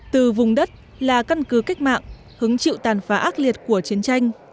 từ vùng đất là căn cứ cách mạng hứng chịu tàn phá ác liệt của chiến tranh